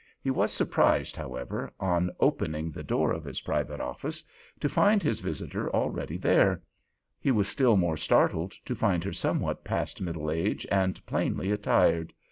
He was surprised, however, on opening the door of his private office to find his visitor already there; he was still more startled to find her somewhat past middle age and plainly attired.